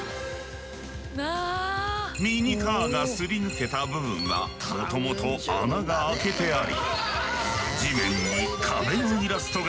ミニカーがすり抜けた部分はもともと穴が開けてあり。